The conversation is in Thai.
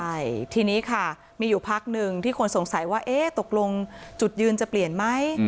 ใช่ทีนี้ค่ะมีอยู่พักหนึ่งที่คนสงสัยว่าเอ๊ะตกลงจุดยืนจะเปลี่ยนไหม